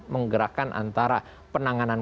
menggerakkan antara penanganan